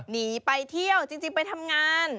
หนีไปเที่ยวจริงไปทำงาน